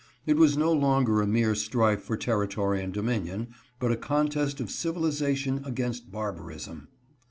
It was no longer a mere strife for territory and dominion, but a contest of civiliza tion against barbarism.